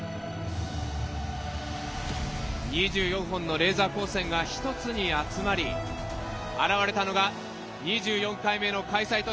２４本のレーザー光線が１つに集まり、現れたのが２４回目の開催